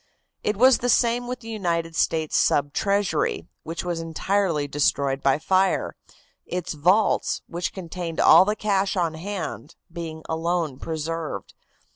It was the same with the United States Sub Treasury, which was entirely destroyed by fire, its vaults, which contained all the cash on hand, being alone preserved.